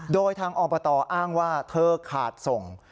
โดยทางอบตอ้างว่าเธอขาดส่ง